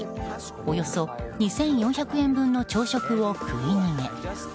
およそ２４００円分の朝食を食い逃げ。